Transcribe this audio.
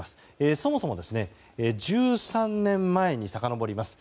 そもそも１３年前にさかのぼります。